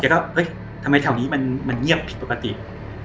แกก็เฮ้ยทำไมแถวนี้มันมันเงียบผิดปกติอืม